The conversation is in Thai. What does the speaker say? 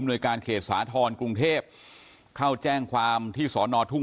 โดยการเขตสาธรณ์กรุงเทพเข้าแจ้งความที่สอนอทุ่ง